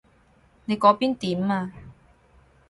你嗰邊點啊？